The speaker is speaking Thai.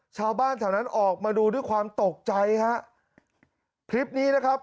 ชาวบ้านแถวนั้นออกมาดูด้วยความตกใจฮะคลิปนี้นะครับ